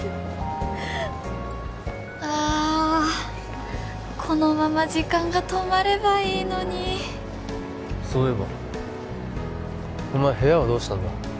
あこのまま時間が止まればいいのにそういえばお前部屋はどうしたんだ？